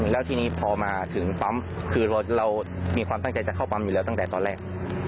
แล้วทีนี้พอมาถึงปั๊มคือเรามีความตั้งใจจะเข้าปั๊มอยู่แล้วตั้งแต่ตอนแรก